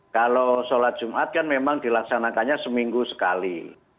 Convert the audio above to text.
kalau sholat jumat kan memang dilaksanakannya seminggu sekali